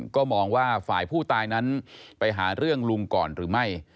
ก็มองว่าฝ่ายผู้ตายนั้นไปหาเรื่องลุงก่อนหรือไม่